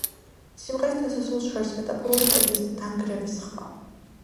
სიმღერის დასასრულს ჟღერს მეტაფორული კედლის დანგრევის ხმა.